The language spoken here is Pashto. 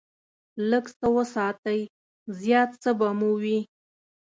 لږ څه وساتئ، زیات څه به مو وي.